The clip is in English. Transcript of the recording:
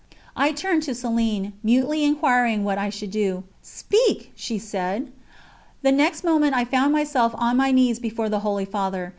I turned to Céline, mutely inquiring what I should do. "Speak!" she said. The next moment I found myself on my knees before the Holy Father.